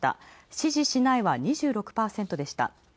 支持しないは２６％でした。